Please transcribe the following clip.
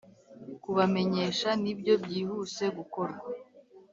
kubamenyesha nibyo byihuse gukorwa